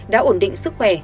đã ổn định sức khỏe